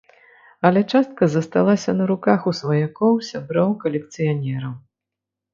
Але частка засталася на руках у сваякоў, сяброў, калекцыянераў.